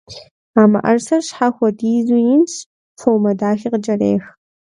А мыӀэрысэр щхьэ хуэдизу инщ, фоумэ дахи къыкӀэрех.